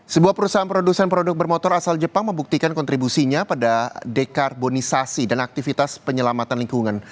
sebuah perusahaan produsen produk bermotor asal jepang membuktikan kontribusinya pada dekarbonisasi dan aktivitas penyelamatan lingkungan